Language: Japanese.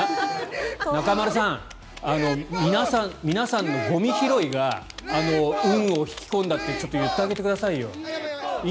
中丸さん、皆さんのゴミ拾いが運を引き込んだって言ってあげてくださいよ。